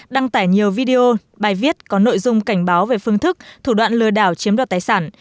đăng tải nhiều video bài viết có nội dung cảnh báo về phương thức thủ đoạn lừa đảo chiếm đoạt tài sản